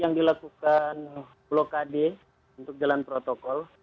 yang dilakukan blokade untuk jalan protokol